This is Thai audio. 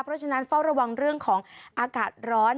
เพราะฉะนั้นเฝ้าระวังเรื่องของอากาศร้อน